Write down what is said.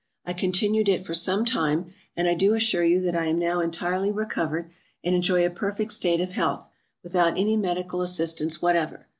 I continued it for some time; and I do assure you I am now entirely recovered, and enjoy a perfect state of health, without any medical assistance whatever.